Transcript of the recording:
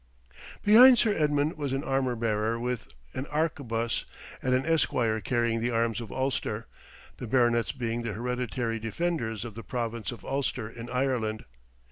Behind Sir Edmund was an armour bearer with an arquebus, and an esquire carrying the arms of Ulster, the baronets being the hereditary defenders of the province of Ulster in Ireland.